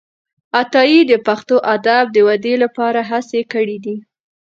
عطايي د پښتو ادب د ودې لپاره هڅي کړي دي.